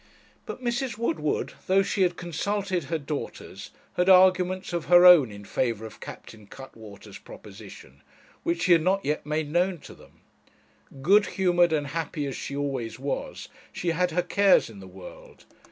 But Mrs. Woodward, though she had consulted her daughters, had arguments of her own in favour of Captain Cuttwater's proposition, which she had not yet made known to them. Good humoured and happy as she always was, she had her cares in the world.